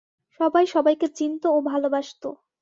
সবাই সবাইকে চিনত ও ভালোবাসত।